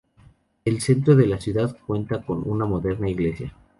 El centro de la ciudad cuenta con una moderna iglesia.